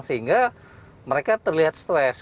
sehingga mereka terlihat stres